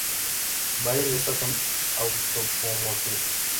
Varias de estas son autapomorfias.